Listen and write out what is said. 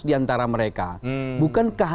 di antara mereka bukankah